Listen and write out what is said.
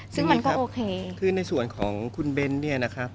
ซึ่งมันก็โอเคคือในส่วนของคุณเบ้นเนี่ยนะครับ